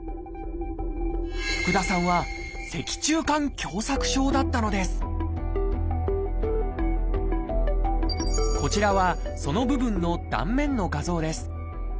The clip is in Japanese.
福田さんは「脊柱管狭窄症」だったのですこちらはその部分の断面の画像です。